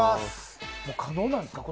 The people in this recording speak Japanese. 可能なんですか？